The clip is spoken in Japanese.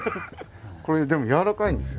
これでも軟らかいんですよ。